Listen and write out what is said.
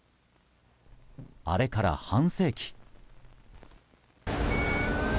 あれから半世紀。